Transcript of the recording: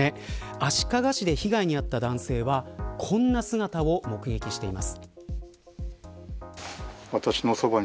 足利市で被害に遭った男性はこんな姿を目撃しています。